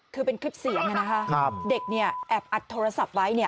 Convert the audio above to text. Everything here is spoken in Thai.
คือเป็นคลิปเสียงเด็กเนี่ยแอบอัดโทรศัพท์ไว้